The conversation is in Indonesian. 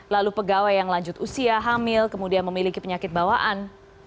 lalu pegawai yang lanjut usia hamil kemudian memiliki penyakit bawaan